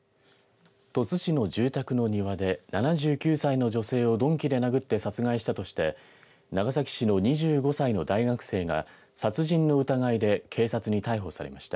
鳥栖市の住宅の庭で７９歳の女性を鈍器で殴って殺害したとして長崎市の２５歳の大学生が殺人の疑いで警察に逮捕されました。